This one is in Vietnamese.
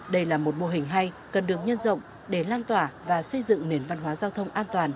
đây là một mô hình hay cần được nhân rộng để lan tỏa và xây dựng nền văn hóa giao thông an toàn